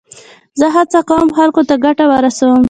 زه هڅه کوم، چي خلکو ته ګټه ورسوم.